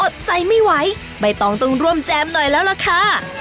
อดใจไม่ไหวใบตองต้องร่วมแจมหน่อยแล้วล่ะค่ะ